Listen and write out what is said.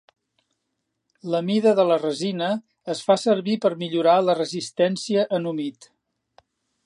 La mida de la resina es fa servir per millorar la resistència en humit.